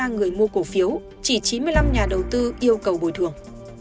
ba mươi bốn trăm linh ba người mua cổ phiếu chỉ chín mươi năm nhà đầu tư yêu cầu bồi thường